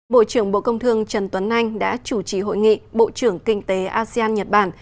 bộ trưởng bộ công thương trần tuấn anh đã chủ trì hội nghị bộ trưởng kinh tế asean nhật bản